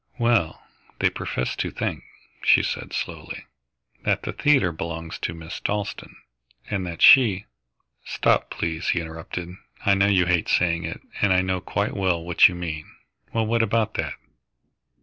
"Well, they profess to think," she said slowly, "that the theatre belongs to Miss Dalstan, and that she " "Stop, please," he interrupted. "I know you hate saying it, and I know quite well what you mean. Well, what about that?"